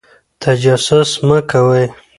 تجسس مه کوئ.